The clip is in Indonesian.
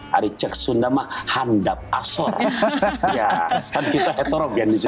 hari cek sunda mah handap asor